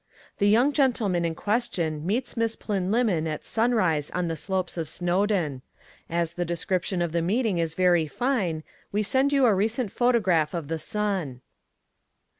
The young gentleman in question meets Miss Plynlimmon at sunrise on the slopes of Snowdon. As the description of the meeting is very fine we send you a recent photograph of the sun.